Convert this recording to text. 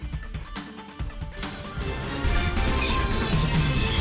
terima kasih banyak